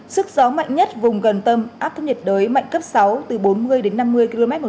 sức gió mạnh nhất vùng gần tâm áp thấp nhiệt đới mạnh cấp sáu từ bốn mươi đến năm mươi km một giờ